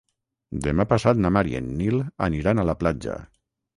Demà passat na Mar i en Nil aniran a la platja.